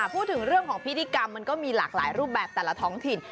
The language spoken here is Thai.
พูดถึงเรื่องของพิธีกรรมมันก็มีหลากหลายรูปแบบแต่ละท้องถิ่น